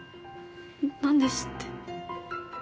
何で知って。